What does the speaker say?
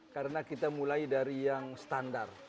karena kita mulai dari yang standar